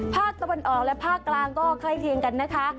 ภาคตะวันออกและภาคกลางก็ใกล้เคียงกันนะคะ